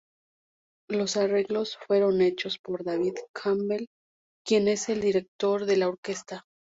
Los arreglos fueron hechos por David Campbell, quien es el director de la orquesta.